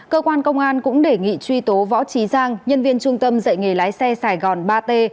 cơ quan công an cũng đề nghị truy tố võ trí giang nhân viên trung tâm dạy nghề lái xe sài gòn ba t